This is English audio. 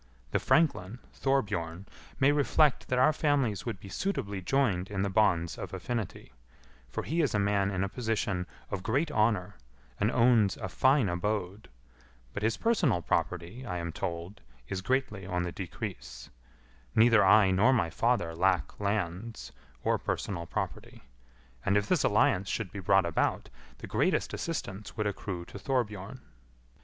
The franklin, Thorbjorn, may reflect that our families would be suitably joined in the bonds of affinity; for he is a man in a position of great honour, and owns a fine abode, but his personal property, I am told, is greatly on the decrease; neither I nor my father lack lands or personal property; and if this alliance should be brought about, the greatest assistance would accrue to Thorbjorn."